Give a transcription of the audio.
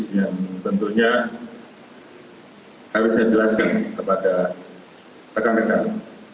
yang tentunya harus saya jelaskan kepada pegang pegang